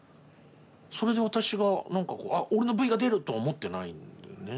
それで私が何か「あっ俺のＶが出る」とは思ってないんだよね。